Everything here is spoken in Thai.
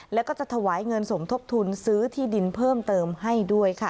แล้วก็จะถวายเงินสมทบทุนซื้อที่ดินเพิ่มเติมให้ด้วยค่ะ